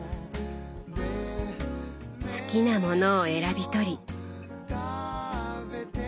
好きなものを選び取り。